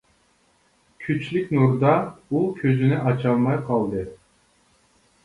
كۈچلۈك نۇردا ئۇ كۆزىنى ئاچالماي قالدى.